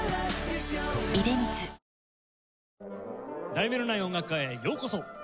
『題名のない音楽会』へようこそ。